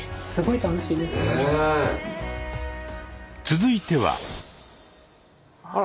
続いては。